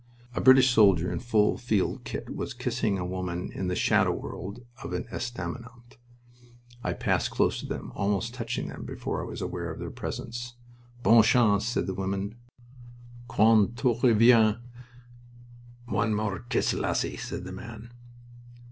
A British soldier in full field kit was kissing a woman in the shadow world of an estaminet. I passed close to them, almost touching them before I was aware of their presence. "Bonne chance!" said the woman. "Quand to reviens " "One more kiss, lassie," said the man.